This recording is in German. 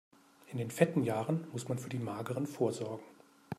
In den fetten Jahren muss man für die mageren vorsorgen.